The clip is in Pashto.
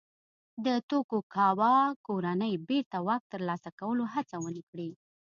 د توکوګاوا کورنۍ بېرته واک ترلاسه کولو هڅه ونه کړي.